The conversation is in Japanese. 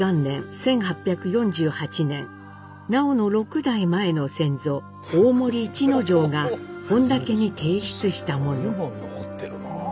１８４８年南朋の６代前の先祖大森市之丞が本多家に提出したもの。